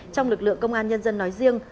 trong lực lượng công an nhân dân nói riêng